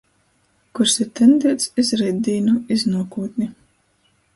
Kurs ir tendiets iz reitdīnu, iz nuokūtni.